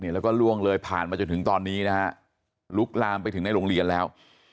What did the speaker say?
แล้วก็ล่วงเลยผ่านมาจนถึงตอนนี้นะฮะลุกลามไปถึงในโรงเรียนแล้ว